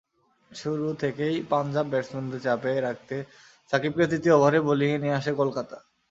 শুরু থেকেই পাঞ্জাব ব্যাটসম্যানদের চাপে রাখতে সাকিবকে তৃতীয় ওভারে বোলিংয়ে নিয়ে আসে কলকাতা।